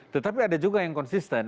tetapi ada juga yang konsisten